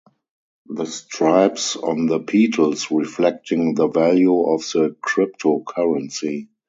The stripes on the petals reflecting the value of the cryptocurrency.